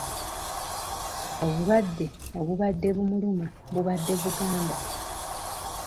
Obulwadde obubadde bumuluma bubadde buganda.